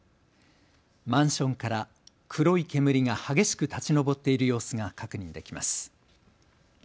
マンションから黒い煙が激しく立ち上っている様子が確認できます。